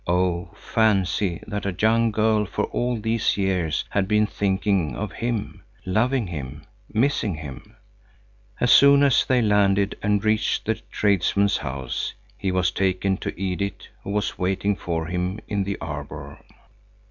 Oh, fancy that a young girl for all these years had been thinking of him, loving him, missing him! As soon as they landed and reached the tradesman's house, he was taken to Edith, who was waiting for him in the arbor.